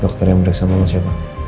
dokter yang beriksa sama mas ya udah selesai